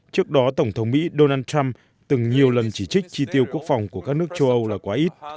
trước đó tổng thống mỹ donald trump từng nhiều lần chỉ trích chi tiêu quốc phòng của các nước châu âu là quá ít